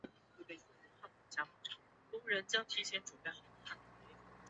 曾任中国人民解放军总后勤部卫生部副部长。